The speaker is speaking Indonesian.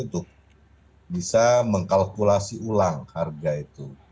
untuk bisa mengkalkulasi ulang harga itu